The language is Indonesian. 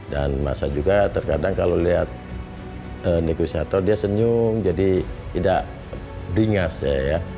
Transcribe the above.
dan massa juga terkadang kalau lihat negosiatur dia senyum jadi tidak beringat